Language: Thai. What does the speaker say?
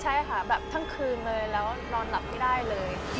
ใช่ค่ะแบบทั้งคืนเลยแล้วนอนหลับไม่ได้เลย